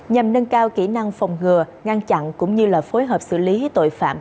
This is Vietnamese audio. nhằm nâng cao kỹ năng phòng ngừa ngăn chặn cũng như là phối hợp xử lý tội phạm